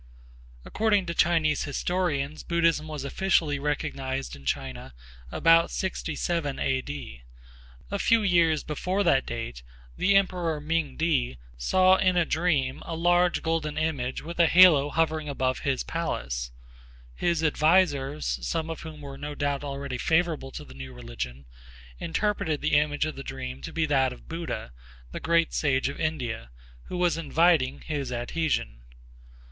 According to Chinese historians Buddhism was officially recognized in China about 67 A.D. A few years before that date, the emperor, Ming Ti, saw in a dream a large golden image with a halo hovering above his palace. His advisers, some of whom were no doubt already favorable to the new religion, interpreted the image of the dream to be that of Buddha, the great sage of India, who was inviting his adhesion.